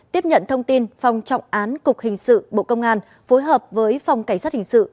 tiếp nhận thông tin phòng trọng án cục hình sự bộ công an phối hợp với phòng cảnh sát hình sự